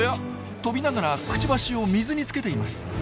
飛びながらクチバシを水につけています。